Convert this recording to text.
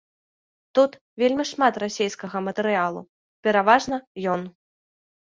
Тут вельмі шмат расійскага матэрыялу, пераважна ён.